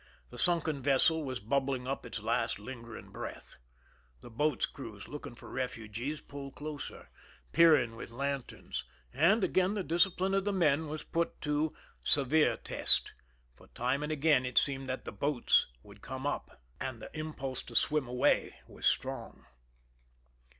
The sunken vessel was bubbling up its last lingering breath. The boats' crews looking for refugees pulled closer, peering with lanterns, and again the discipline of the men was put to severe test, for time and again it seemed that the boats would come up, and the 116 SPAXJAKDS SEA EW Wl'J'H I.AXTERXS. THE EUN IN impulse to swim away was strong.